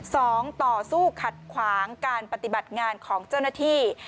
สองต่อสู้ขัดขวางการปฏิบัติงานของเจ้าหน้าที่